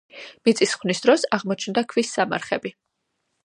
მიწის ხვნის დროს აღმოჩნდა ქვის სამარხები.